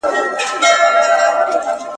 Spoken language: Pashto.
• خر په پالانه نه درنېږي.